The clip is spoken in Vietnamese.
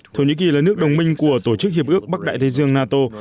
thổ nhĩ kỳ là nước đồng minh của tổ chức hiệp ước bắc đại thế giêng nato